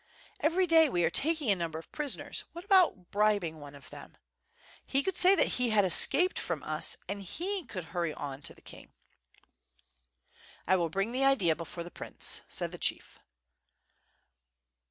*^very day we are taking a number of prisoners, what about bribing one of them? He could say that he had escaped from us, and he could hurry on to the king." yjO WITH FIRE AND SWORD. "1 will bring the idea before the prince," said the chief.